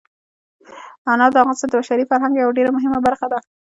انار د افغانستان د بشري فرهنګ یوه ډېره مهمه برخه ده.